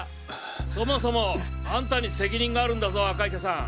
そもそもアンタに責任があるんだぞ赤池さん。